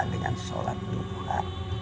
dengan sholat dua